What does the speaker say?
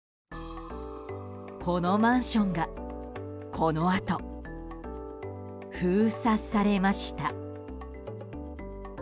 このマンションがこのあと封鎖されました。